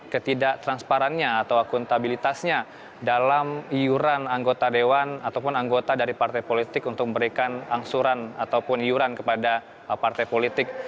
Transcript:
ketidak transparannya atau akuntabilitasnya dalam iuran anggota dewan ataupun anggota dari partai politik untuk memberikan angsuran ataupun iuran kepada partai politik